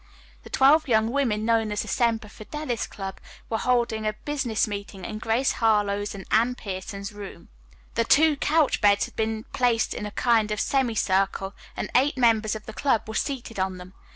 The twelve young women known as the Semper Fidelis Club were holding a business meeting in Grace Harlowe's and Anne Pierson's, room. The two couch beds had been placed in a kind of semicircle and eight members of the club were seated on them.